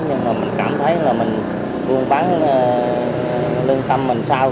nhưng mà mình cảm thấy là mình luôn bán lương tâm mình sao